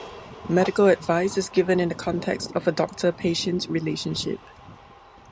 Medical advice is given in the context of a doctor-patient relationship.